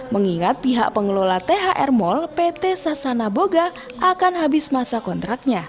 mengingat pihak pengelola thr mall pt sasana boga akan habis masa kontraknya